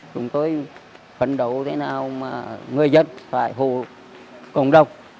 chúng tôi phấn đấu thế nào mà người dân phải hù công đồng